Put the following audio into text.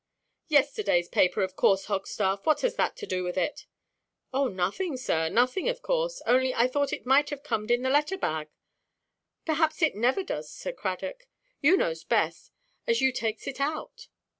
"Yesterdayʼs paper, of course, Hogstaff. What has that to do with it?" "Oh, nothing, sir, nothing, of course. Only I thought it might have comed in the letter–bag. Perhaps it never does, Sir Cradock; you knows best, as you takes it out."